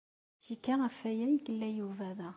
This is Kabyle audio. Cikkeɣ ɣef waya ay yella Yuba da.